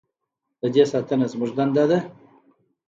د دې ساتنه زموږ دنده ده؟